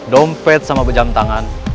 dompet sama bejam tangan